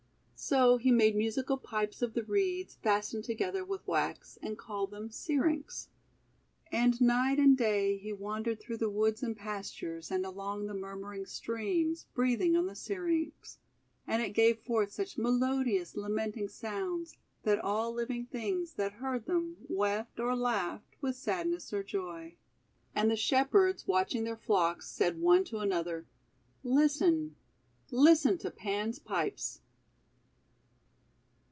So he made musical pipes of the Reeds fastened together with wax, and called them "Syrinx." And night and day he wandered through the woods and pastures and along the murmuring streams, breathing on the Syrinx; and it gave forth such melodious, lamenting sounds, that all living things that heard them wept or laughed with sadness or joy. And the Shepherds, watch ing their flocks, said one to another: — "Listen! Listen to Pan's Pines